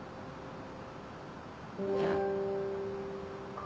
いや。